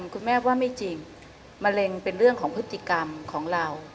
คุณแม่ว่าไม่จริงมะเร็งเป็นเรื่องของพฤติกรรมของเรา